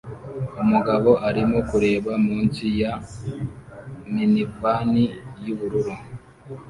Umugabo arimo kureba munsi ya minivani yubururu